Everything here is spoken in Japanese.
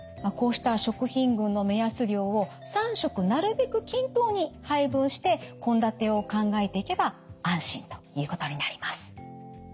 こうした食品群の目安量を３食なるべく均等に配分して献立を考えていけば安心ということになります。